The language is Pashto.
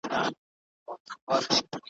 دبابا زړه يې لا شين ؤ `